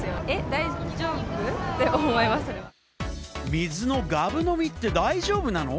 水のがぶ飲みって大丈夫なの？